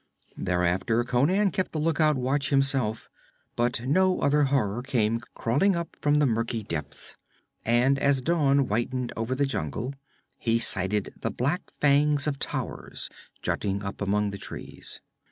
Thereafter Conan kept the lookout watch himself, but no other horror came crawling up from the murky depths, and as dawn whitened over the jungle, he sighted the black fangs of towers jutting up among the trees.